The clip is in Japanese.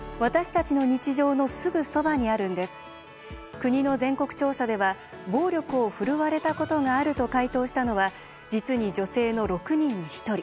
国の全国調査では暴力を振るわれたことがあると回答したのは実に女性の６人に１人。